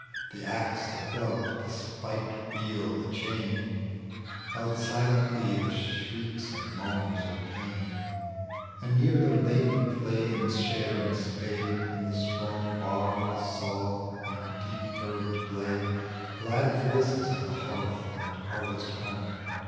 The axe, the club, the spiked wheel, the chain, Held silently the shrieks and moans of pain ; .tec bv Google 14 THE LEGEND Ol" JUBAl. And near them latent lay in share and spade, In the strong bar, the saw, and deep curved blade, Glad voices of the hearth and harvest heme.